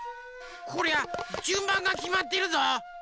こりゃじゅんばんがきまってるぞ。